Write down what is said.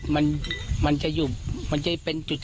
หญิงบอกว่าจะเป็นพี่ปวกหญิงบอกว่าจะเป็นพี่ปวก